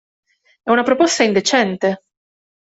È una proposta indecente!